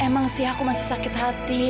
emang sih aku masih sakit hati